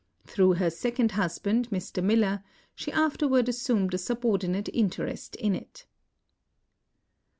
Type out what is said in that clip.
Through her second hus band, Mr. Miller, she afterward assumed a subordinate interest in it.